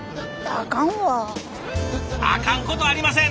あかんことありません！